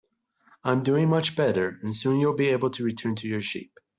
I'm doing much better, and soon you'll be able to return to your sheep.